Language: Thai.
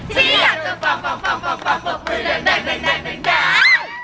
เป็นกำลังจ์ใจ